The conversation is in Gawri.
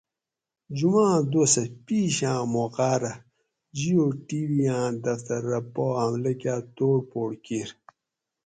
جمعاۤں دوسہ پیشی آں موقاۤ رہ جیو ٹی وی آۤں دفتر رہ پا حملہ کاۤ توڑ پھوڑ کیر